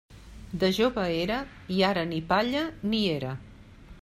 De jove era, i ara ni palla ni era.